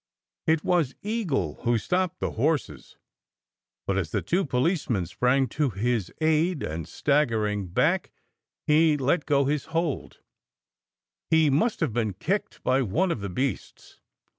It was Eagle who stopped the horses; but as the two policemen sprang to his aid, and staggering back he let go his hold, he must have been kicked by one of the beasts.